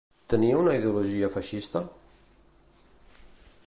Tenia una ideologia feixista?